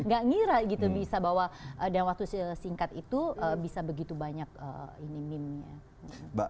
gak ngira gitu bisa bahwa dalam waktu singkat itu bisa begitu banyak ini meme nya